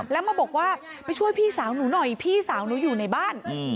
แล้วมาบอกว่าไปช่วยพี่สาวหนูหน่อยพี่สาวหนูอยู่ในบ้าน